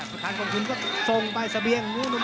ประธานกองทุนก็ส่งไปเสบียงมูนมไข่ส่ง